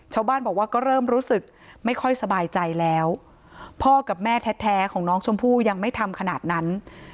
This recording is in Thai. ชาวบ้านบอกว่าก็เริ่มรู้สึกไม่ค่อยสบายใจแล้วพ่อกับแม่แท้ของน้องชมพู่ยังไม่ทำขนาดนั้น